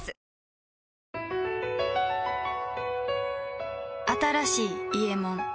この後新しい「伊右衛門」